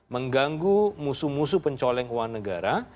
mengganggu musuh musuh pencoleng uang negara